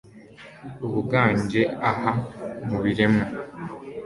uganje aha mu biremwa